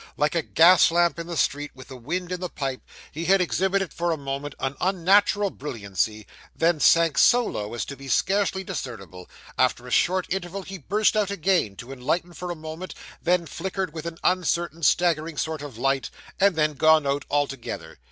Like a gas lamp in the street, with the wind in the pipe, he had exhibited for a moment an unnatural brilliancy, then sank so low as to be scarcely discernible; after a short interval, he had burst out again, to enlighten for a moment; then flickered with an uncertain, staggering sort of light, and then gone out altogether.